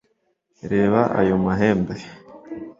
reba ayo mahembe